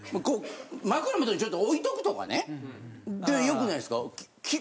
枕元にちょっと置いとくとかねでよくないですか？